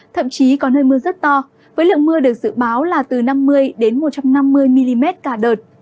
thậm chí có nơi mưa rất to với lượng mưa được dự báo là từ năm mươi một trăm năm mươi mm cả đợt